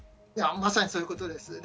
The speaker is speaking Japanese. まさにそういうことです。